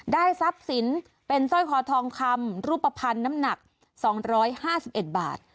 ทรัพย์สินเป็นสร้อยคอทองคำรูปภัณฑ์น้ำหนัก๒๕๑บาท